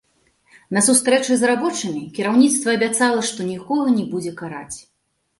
На сустрэчы з рабочымі кіраўніцтва абяцала, што нікога не будзе караць.